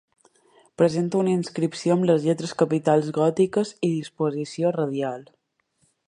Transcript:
Presenta una inscripció amb les lletres capitals gòtiques i disposició radial.